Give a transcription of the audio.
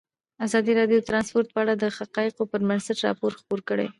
ازادي راډیو د ترانسپورټ په اړه د حقایقو پر بنسټ راپور خپور کړی.